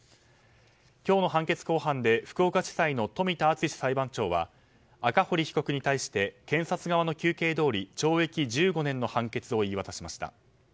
今日の判決公判で福岡地裁の冨田敦史裁判長は赤堀被告に対して検察側の求刑どおり懲役１５年の判決を言い渡しました。